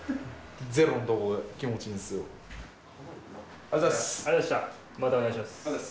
ありがとうございます。